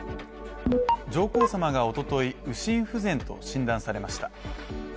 上皇さまが一昨日、右心不全と診断されました。